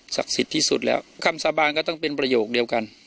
สิทธิ์ที่สุดแล้วคำสาบานก็ต้องเป็นประโยคเดียวกัน